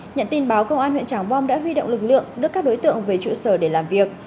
nhận tin báo công an huyện tràng bom đã huy động lực lượng đưa các đối tượng về trụ sở để làm việc